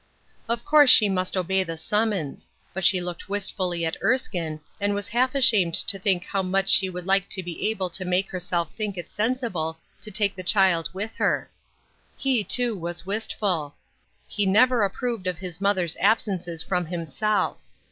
Of course she must obey the sum mons ; but she looked wistfully at Erskine, and was half ashamed to think how much she would like to be able to make herself think it sensible to take the child with her. He, too, was wistful. He never approved of his mother's absences from himself.